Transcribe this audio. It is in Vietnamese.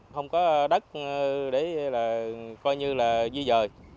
không có đất để là coi như là duy dời